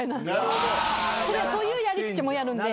そういうやり口もやるんで。